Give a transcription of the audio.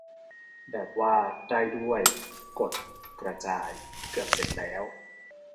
แบบว่า ได้ด้วย กด กระจาย เกือบเสร็จแล้ว